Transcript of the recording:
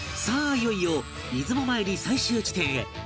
いよいよ出雲参り最終地点へ